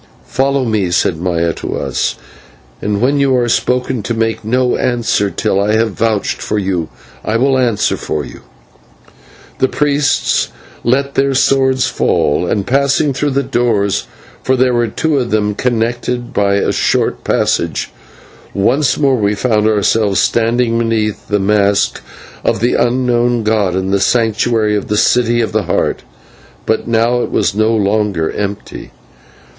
"Follow me," said Maya to us, "and when you are spoken to make no answer till I have vouched for you. I will answer for you." The priests let their swords fall, and, passing through the doors for there were two of them connected by a short passage once more we found ourselves standing beneath the mask of the Unknown god in the Sanctuary of the City of the Heart. But now it was no longer empty.